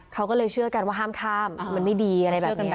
เขาก็เลยเชื่อกันว่าห้ามข้ามมันไม่ดีอะไรแบบนี้